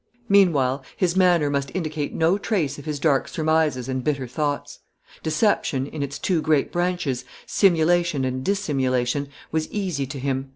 Meanwhile his manner must indicate no trace of his dark surmises and bitter thoughts. Deception, in its two great branches, simulation and dissimulation, was easy to him.